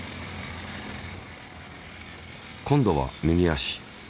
今度は右足。